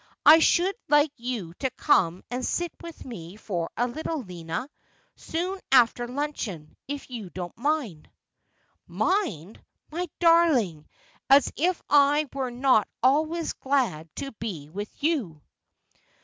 I should like you to come and sit with me for a little, Lina, soon after luncheon, if you don't mind.' ' Mind ! My darling, as if I were not always glad to be with you.'